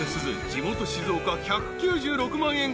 地元静岡１９６万円